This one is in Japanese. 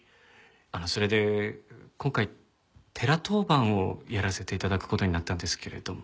あのそれで今回寺当番をやらせて頂く事になったんですけれども。